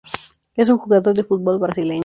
Es un jugador de fútbol brasileño.